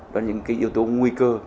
đó là những cái yếu tố nguy cơ